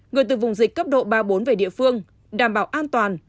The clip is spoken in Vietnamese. người từ vùng dịch cấp độ ba bốn về địa phương đảm bảo an toàn